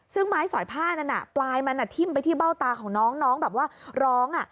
ซึ่งไม้สอยผ้านั้นปลายมันทิ้มไปที่เบ้าตาของน้องน้องแบบว่าร้อง